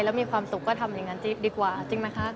แล้วมีความสุขก็ทำอย่างนั้นดีกว่าจริงไหมคะ